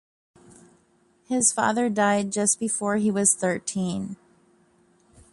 His father died just before he was thirteen.